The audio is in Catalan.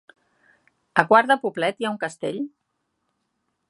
A Quart de Poblet hi ha un castell?